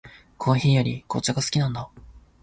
コーヒーより紅茶が好きなんだ。